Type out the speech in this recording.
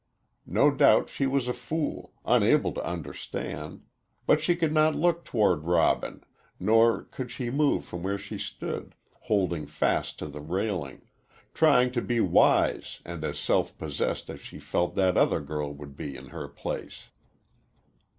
No doubt she was a fool, unable to understand, but she could not look toward Robin, nor could she move from where she stood, holding fast to the railing, trying to be wise and as self possessed as she felt that other girl would be in her place.